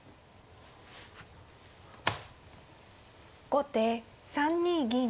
後手３二銀。